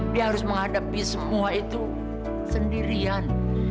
dia harus menghadapi semua itu sendirian